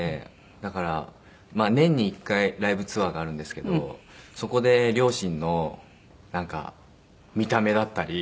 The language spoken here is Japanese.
だから年に１回ライブツアーがあるんですけどそこで両親のなんか見た目だったり。